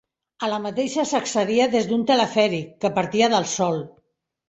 A la mateixa s'accedia des d'un telefèric, que partia del sòl.